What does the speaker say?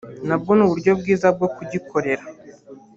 nabwo ni uburyo bwiza bwo kugikorera